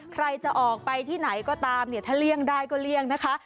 ใครจะออกไปที่ไหนก็ตามเนี่ยถ้าเลี่ยงได้ก็เลี่ยงนะคะ